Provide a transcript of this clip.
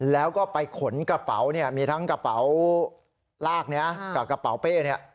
แล้วก็ไปขนกระเป๋ามีทั้งกระเป๋ารากกับกระเป๋าเป้นี้